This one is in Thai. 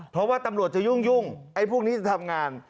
เพราะว่าตำรวจจะยุ่งไอ้พวกนี้จะทำงาน